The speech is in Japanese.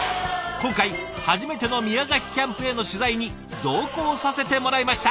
今回初めての宮崎キャンプへの取材に同行させてもらいました。